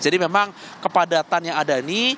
jadi memang kepadatan yang ada ini